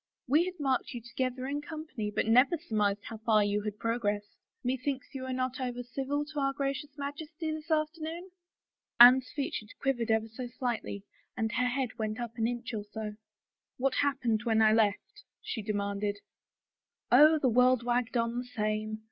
" We had marked you together in company but never surmised how far you had progressed. ... Methinks you were not over civil to our Gracious Majesty this afternoon? " Anne's features quivered ever so slightly and her head went up an inch or so. " What happened when I left ?" she demanded. " Oh, the world wagged on the same.